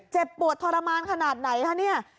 เจ็บปวดทรมานขนาดไหนคะเนี่ย